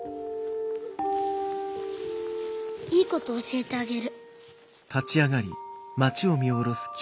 いいこと教えてあげる。